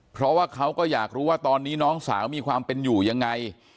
เพราะว่าเขาก็อยากรู้ว่าตอนนี้น้องสาวมีความเป็นอยู่ยังไง